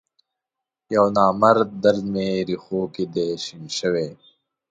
یونامرد درد می رېښوکې دی شین شوی